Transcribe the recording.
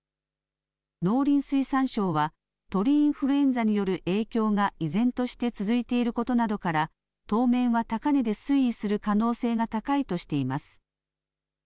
農林水産省は鳥インフルエンザによる影響が依然として続いていることなどから当面は高値で推移する可能性が高いとしています。